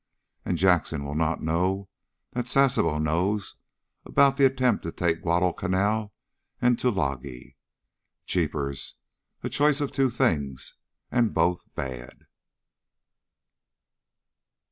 And Jackson will not know that Sasebo knows about the attempt to take Guadalcanal and Tulagi. Jeepers! A choice of two things, and both bad!"